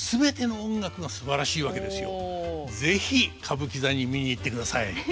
でも是非歌舞伎座に見に行ってください。